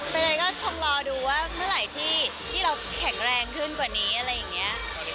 ไปเลยก็ทมรอดูครับว่าเมื่อไหร่ที่เราแข็งแรงขึ้นกว่านี้